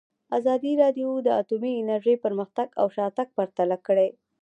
ازادي راډیو د اټومي انرژي پرمختګ او شاتګ پرتله کړی.